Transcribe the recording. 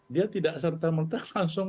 dia tidak serta merta langsung